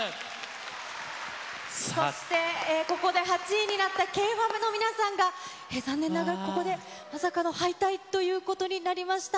そして、ここで８位になったＫｆａｍの皆さんが、残念ながら、ここでまさかの敗退ということになりました。